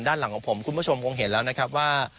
ด้านหลังของผมคุณผู้ชมคงเห็นแล้วนะครับว่า